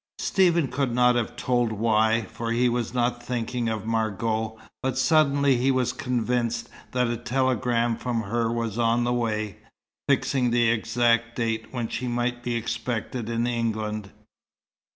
Stephen could not have told why, for he was not thinking of Margot, but suddenly he was convinced that a telegram from her was on the way, fixing the exact date when she might be expected in England.